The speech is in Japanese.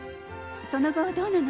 その後どうなの？